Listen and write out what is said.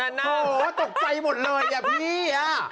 โอ้โหตกใจหมดเลยอะพี่